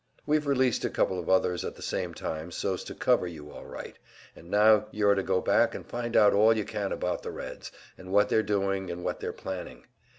We've released a couple of others at the same time, so's to cover you all right; and now you're to go back and find out all you can about the Reds, and what they're doing, and what they're planning.